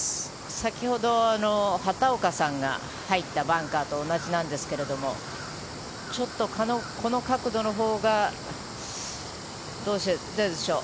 先ほど、畑岡さんが入ったバンカーと同じなんですがちょっと、この角度のほうがどうでしょう。